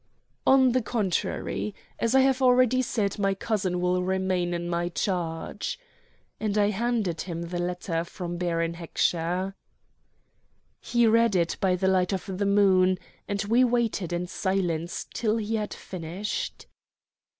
"On the contrary, as I have already said, my cousin will remain in my charge," and I handed him the letter from Baron Heckscher. He read it by the light of the moon, and we waited in silence till he had finished.